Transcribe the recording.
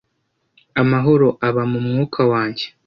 amahoro aba mu mwuka wanjye